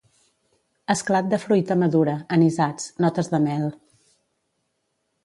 Esclat de fruita madura, anisats, notes de mel.